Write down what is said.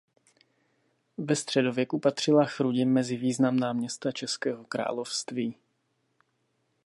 Ve středověku patřila Chrudim mezi významná města českého království.